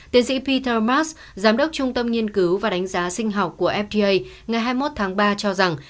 tiến sĩ peter marks giám đốc trung tâm nhiên cứu và đánh giá sinh học của fda ngày hai mươi một tháng ba cho rằng